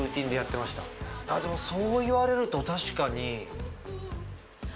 でもそう言われると確かに。